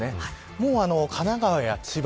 もう、神奈川や千葉